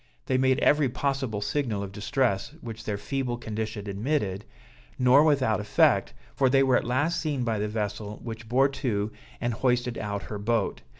They made every possible signal of distress which their feeble condition admitted, nor without effect, for they were at last seen by the vessel, which bore to and hoisted out her boat.